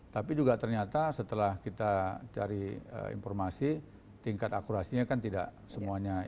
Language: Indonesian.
tapi juga ternyata setelah kita cari informasi tingkat akurasinya kan tidak semuanya